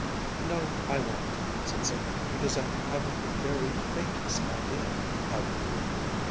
"No, I won't," said Sylvia, "because I haven't the very faintest idea. Have you?"